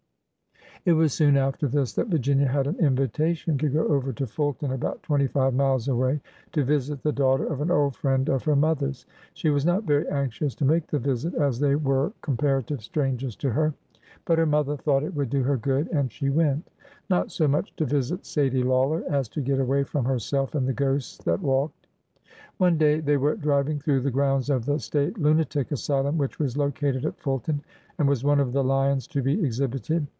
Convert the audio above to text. It was soon after this that Virginia had an invitation to go over to Fulton, about twenty five miles away, to visit the daughter of an old friend of her mother's. She was not very anxious to make the visit, as they were com parative strangers to her, but her mother thought it would do her good, and she went — not so much to visit Sadie Lawler as to get away from herself and the ghosts that walked. One day they were driving through the grounds of the State Lunatic Asylum, which was located at Fulton, and was one of the lions to be exhibited.